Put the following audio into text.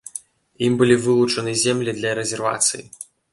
Ім былі вылучаны землі для рэзервацыі.